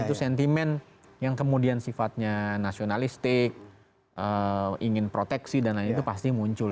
itu sentimen yang kemudian sifatnya nasionalistik ingin proteksi dan lain itu pasti muncul